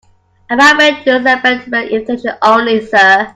I'm afraid this event is by invitation only, sir.